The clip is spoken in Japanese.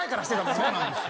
そうなんですよ。